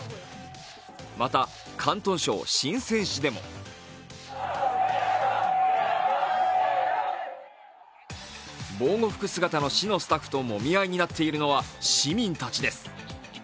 また広東省深セン市でも防護服姿の市のスタッフともみ合いになているのは市民たちです。